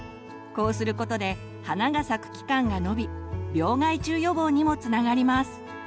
こうすることで花が咲く期間が延び病害虫予防にもつながります。